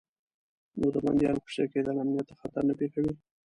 نو د بندیانو خوشي کېدل امنیت ته خطر نه پېښوي.